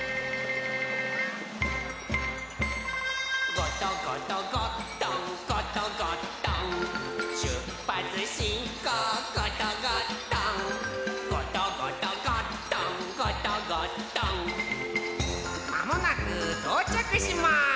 「ゴトゴトゴットンゴトゴットン」「しゅっぱつしんこうゴトゴットン」「ゴトゴトゴットンゴトゴットン」まもなくとうちゃくします！